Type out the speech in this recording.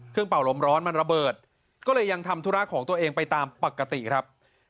เป่าลมร้อนมันระเบิดก็เลยยังทำธุระของตัวเองไปตามปกติครับ